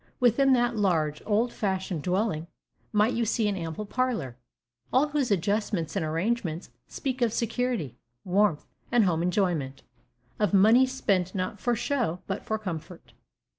Within that large, old fashioned dwelling might you see an ample parlor, all whose adjustments and arrangements speak of security, warmth, and home enjoyment; of money spent not for show, but for comfort.